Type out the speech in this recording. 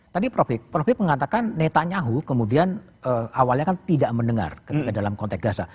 tadi prof hip mengatakan netanyahu kemudian awalnya kan tidak mendengar dalam konteks gaza